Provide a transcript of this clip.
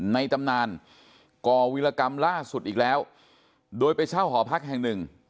ตำนานก่อวิรกรรมล่าสุดอีกแล้วโดยไปเช่าหอพักแห่งหนึ่ง